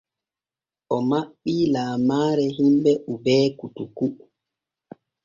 O maɓɓii laamaare hiɓɓe Hubert koutoukou.